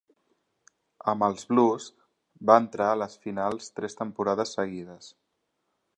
Amb els Blues, va entrar a les finals tres temporades seguides.